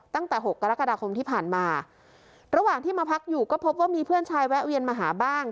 หกกรกฎาคมที่ผ่านมาระหว่างที่มาพักอยู่ก็พบว่ามีเพื่อนชายแวะเวียนมาหาบ้าง